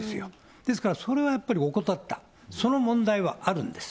ですから、それをやっぱり怠った、その問題はあるんです。